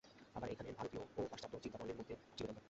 আবার এইখানেই ভারতীয় ও পাশ্চাত্য চিন্তাপ্রণালীর মধ্যে চিরদ্বন্দ্ব।